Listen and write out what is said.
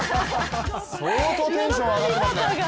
相当テンション上がっていますね